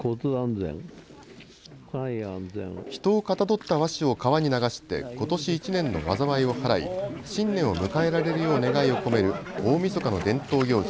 人をかたどった和紙を川に流してことし１年の災いをはらい、新年を迎えられるよう願いを込める大みそかの伝統行事